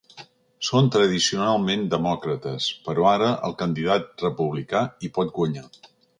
Són tradicionalment demòcrates, però ara el candidat republicà hi pot guanyar.